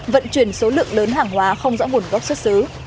vận chuyển số lượng lớn hàng hóa không rõ nguồn gốc xuất xứ